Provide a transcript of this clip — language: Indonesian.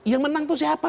yang menang tuh siapa